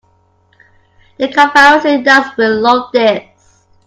The conspiracy nuts will love this.